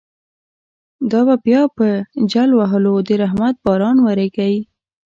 دا به بیا په جل وهلو، د رحمت باران وریږی